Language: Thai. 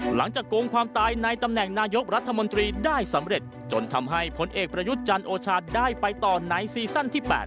โกงความตายในตำแหน่งนายกรัฐมนตรีได้สำเร็จจนทำให้ผลเอกประยุทธ์จันทร์โอชาได้ไปต่อในซีซั่นที่๘